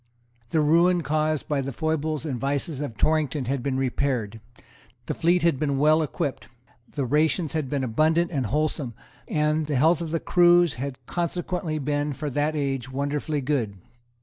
The ruin caused by the foibles and vices of Torrington had been repaired; the fleet had been well equipped; the rations had been abundant and wholesome; and the health of the crews had consequently been, for that age, wonderfully good.